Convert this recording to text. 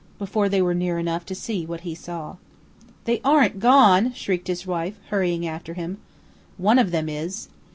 before they were near enough to see what he saw. "They aren't gone?" shrieked his wife, hurrying after him. "One of them is."